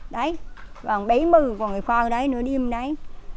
đấy còn bấy mưu còn người con đấy nữa đêm đấy